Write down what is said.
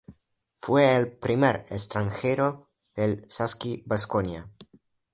Fue el primer extranjero del Saski Baskonia.